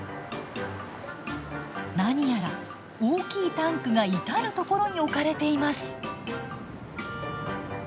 何やら大きいタンクが至る所に置かれています。